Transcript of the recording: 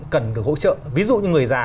cần được hỗ trợ ví dụ như người già